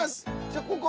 ここ。